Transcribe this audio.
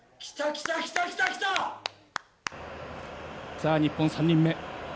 さあ日本、３人目。